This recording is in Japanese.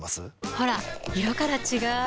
ほら色から違う！